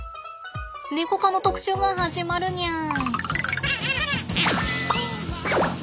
ネコ科の特集が始まるにゃん。